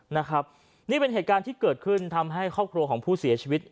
นะครับนี่เป็นเหตุการณ์ที่เกิดขึ้นทำให้ครอบครัวของผู้เสียชีวิต